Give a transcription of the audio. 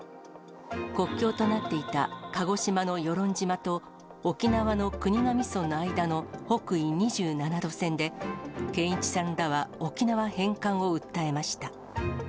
国境となっていた鹿児島の与論島と、沖縄の国頭村の間の北緯２７度線で、健一さんらは沖縄返還を訴えました。